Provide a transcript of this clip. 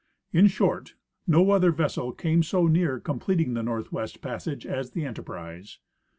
In short, no other ves sel came so near completing the Northwest Passage as the Enter prise.